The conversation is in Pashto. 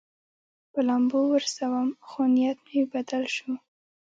په لامبو ورسوم، خو نیت مې بدل شو.